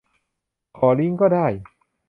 ขอลิงก์ก็ได้